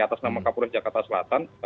atas nama kapolres jakarta selatan